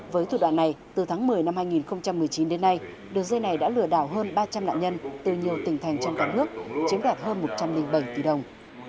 với thủ đoạn này từ tháng một mươi năm hai nghìn một mươi chín đến nay đường dây này đã lừa đảo hơn ba trăm linh nạn nhân từ nhiều tỉnh thành trong cả nước chiếm đoạt hơn một trăm linh bảy tỷ đồng